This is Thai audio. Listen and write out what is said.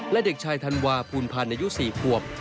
และเด็กชายธันวาภูลพันธ์อายุ๔ขวบ